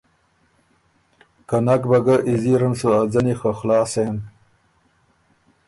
که نک بَه ګه ایزیره ن سُو ا ځنی خه خلاص سېن۔